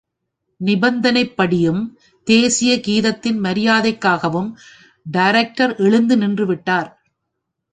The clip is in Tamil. நிபந்தனைப்படியும், தேசீய கீதத்தின் மரியாதைக்காகவும் டைரக்டர் எழுந்து நின்றுவிட்டார்.